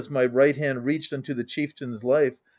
My right hand reached unto the chieftain's life.